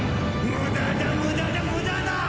無駄だ無駄だ無駄だ！